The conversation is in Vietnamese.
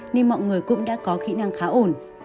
nên mọi người cũng đã có kỹ năng khá ổn